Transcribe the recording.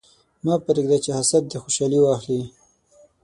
مه پرېږده چې حسد دې خوشحالي واخلي.